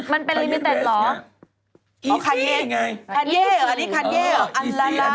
มันเป็นริมิเตสเหรออ๋อคันเย่อันนี้คันเย่เหรออันล่า